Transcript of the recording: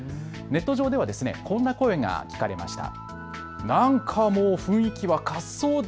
ネット上ではこんな声が聞かれました。